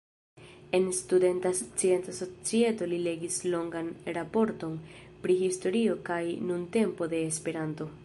En Studenta Scienca Societo li legis longan raporton pri "historio kaj nuntempo de Esperanto".